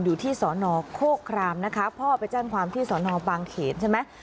อยู่ที่สอนอโคครามนะคะพ่อไปแจ้งความที่สอนอบางเขนใช่ไหม